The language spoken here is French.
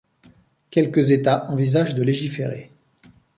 Quelques États envisagent de légiférer.